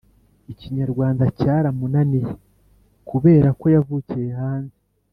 ikinyarwanda cyaramunaniye kuberako yavukiye hanze